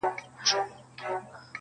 حاجي عبدالحق په جلال آباد کي هم